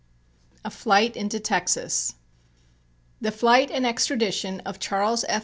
] X A Flight Into Texas The flight and extradition of Charles F.